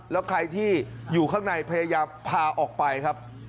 แล้วใครที่อยู่ข้างในพยายามพาออกไปครับ